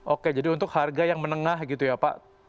oke jadi untuk harga yang menengah gitu ya pak